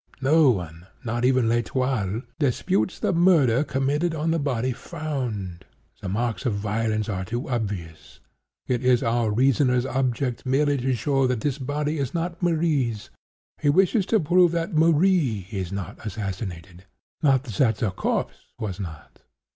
No one—not even L'Etoile—disputes the murder committed on the body found. The marks of violence are too obvious. It is our reasoner's object merely to show that this body is not Marie's. He wishes to prove that Marie is not assassinated—not that the corpse was not.